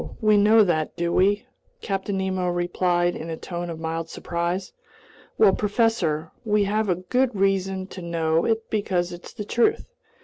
We know that, do we?" Captain Nemo replied in a tone of mild surprise. "Well, professor, we have good reason to know it because it's the truth.